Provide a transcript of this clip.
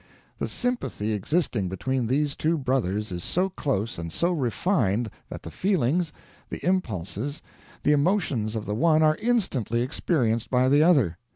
The sympathy existing between these two brothers is so close and so refined that the feelings, the impulses, the emotions of the one are instantly experienced by the other.